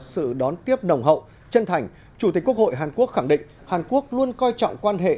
sự đón tiếp nồng hậu chân thành chủ tịch quốc hội hàn quốc khẳng định hàn quốc luôn coi trọng quan hệ